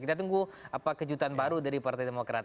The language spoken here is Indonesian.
kita tunggu apa kejutan baru dari partai demokrat